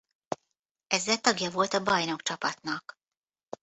Ezzel tagja volt a bajnokcsapatnak.